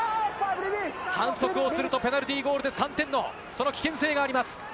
反則をするとペナルティーゴールで３点のその危険性があります。